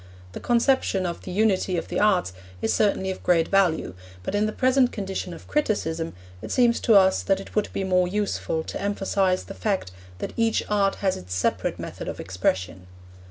The conception of the unity of the arts is certainly of great value, but in the present condition of criticism it seems to us that it would be more useful to emphasise the fact that each art has its separate method of expression.